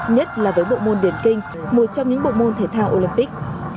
nhất là với bộ môn điển kinh một trong những bộ môn thể thao olympic